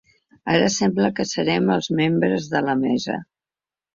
Ara sembla que serem els membres de la mesa.